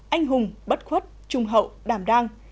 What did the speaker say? anh hùng bất khuất trung hậu đảm đang